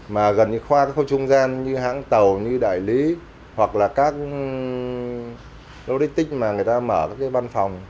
mà gần như qua các khâu trung gian như hãng tàu như đại lý hoặc là các logistics mà người ta mở các cái văn phòng